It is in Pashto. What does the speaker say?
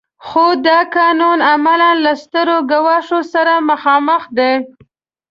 خو دا قانون عملاً له ستر ګواښ سره مخامخ دی.